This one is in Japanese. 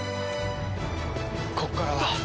ここからは。